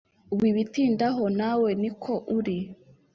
Wibitindaho nawe niko uri